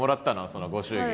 そのご祝儀。